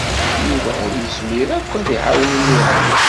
Yuba ur yezmir ad k-iɛawen imir-a.